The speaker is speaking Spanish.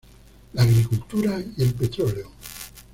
La agricultura y el petróleo.